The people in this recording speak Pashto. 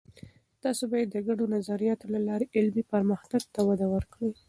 تاسې باید د ګډو نظریاتو له لارې علمي پرمختګ ته وده ورکړئ.